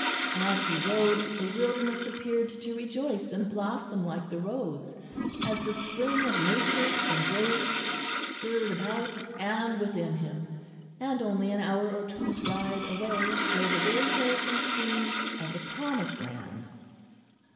As he rode the wilderness appeared to rejoice and blossom like the rose, as the spring of nature and grace stirred about and within him; and only an hour or two's ride away lay the very hills and streams of the Promised Land.